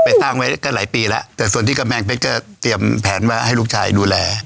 สร้างไว้ก็หลายปีแล้วแต่ส่วนที่กำแพงเพชรก็เตรียมแผนไว้ให้ลูกชายดูแล